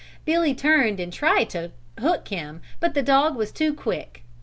Billy turned and tried to hook him but the dog was too quick.